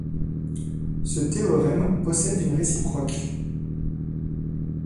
Ce théorème possède une réciproque.